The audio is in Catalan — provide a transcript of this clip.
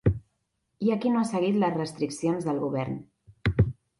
Hi ha qui no ha seguit les restriccions del govern.